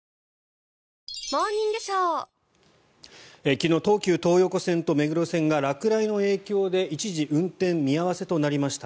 昨日東急東横線と目黒線が落雷の影響で一時運転見合わせとなりました。